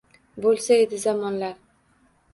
Bo’lsa edi zamonlar